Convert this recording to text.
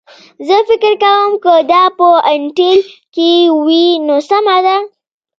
زه فکر کوم که دا په انټیل کې وي نو سمه ده